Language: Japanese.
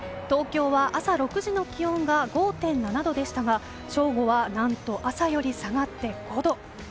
東京は朝６時の気温が５．７度でしたが正午は何と朝より下がって５度。